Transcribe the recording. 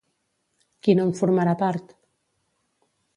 Qui no en formarà part?